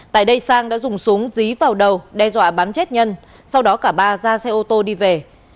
tại đây sang đã dùng súng dí vào đầu đe dọa bắn chết nhân sau đó cả ba ra xe ô tô đi về